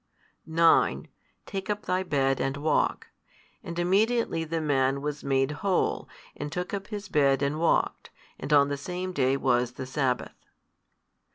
9 Take up thy bed and walk. And immediately the man was made whole, and took up his bed and walked: and on the same day was the sabbath.